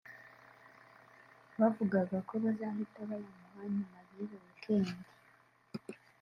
bavugaga ko bazahita bayamuha nyuma y’iyo weekend